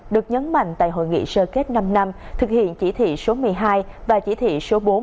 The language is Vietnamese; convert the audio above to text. được nhấn mạnh tại hội nghị sơ kết năm năm thực hiện chỉ thị số một mươi hai và chỉ thị số bốn